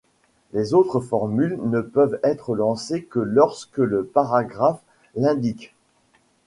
Les autres formules ne peuvent être lancées que lorsque le paragraphe l'indique.